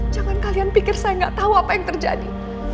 jangan kalian pikir saya gak tahu apa yang terjadi